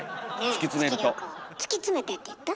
「つき詰めて」って言った？